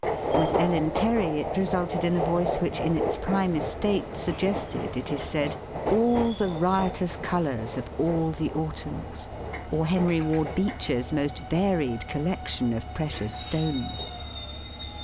With Ellen Terry it resulted in a voice which in its prime estate suggested, it is said, all the riotous colors of all the autumns, or Henry Ward Beecher's most varied collec tion of precious stones.